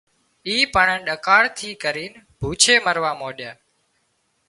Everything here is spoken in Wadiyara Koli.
اي پڻ ۮڪاۯ ٿي ڪرينَ ڀُوڇي مروا مانڏيا